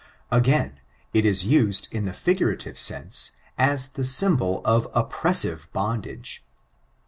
Again, it is used in the figurative sense as the symbol of oppressive bondage.